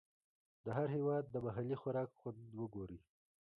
د هر هېواد د محلي خوراک خوند وګورئ.